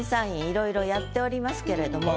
いろいろやっておりますけれども。